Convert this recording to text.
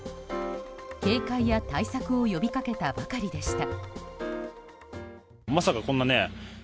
警戒や対策を呼びかけたばかりでした。